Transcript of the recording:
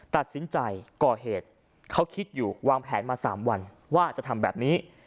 ตัดสินใจก่อเหตุเขาคิดอยู่วางแผนมา๓วันว่าจะทำแบบนี้